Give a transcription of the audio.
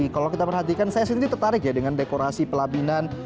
kalau kita perhatikan saya sendiri tertarik ya dengan dekorasi pelabinan